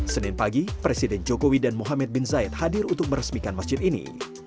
senin pagi presiden jokowi dan muhammad bin zaid hadir untuk meresmikan masjid ini